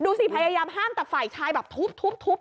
พยายามห้ามแต่ฝ่ายชายแบบทุบ